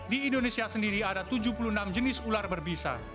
di indonesia sendiri ada tujuh puluh enam jenis ular berbisa